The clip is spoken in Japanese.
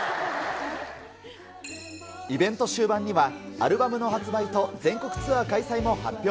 イベント終盤には、アルバムの発売と全国ツアー開催も発表。